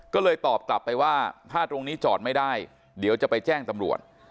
ก็เลยตอบกลับไปว่าถ้าตรงนี้จอดไม่ได้เดี๋ยวจะไปแจ้งตำรวจ